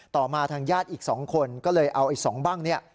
ต่อมาทางญาติอีก๒คนก็เลยเอาไอ้๒บ้างเนี่ย